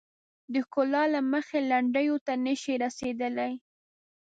د ښکلا له مخې لنډیو ته نه شي رسیدلای.